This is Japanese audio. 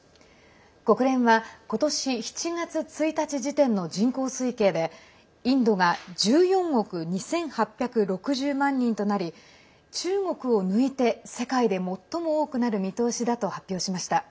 国連は今年７月１日時点の人口推計でインドが１４億２８６０万人となり中国を抜いて世界で最も多くなる見通しだと発表しました。